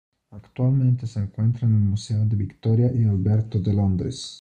Actualmente se encuentra en el Museo de Victoria y Alberto de Londres.